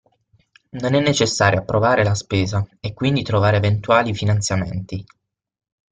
Non è necessario approvare la spesa e quindi trovare eventuali finanziamenti.